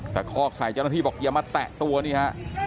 คอกใส่เจ้าหน้าที่บอกอย่ามาแตะตัวนี่ฮะ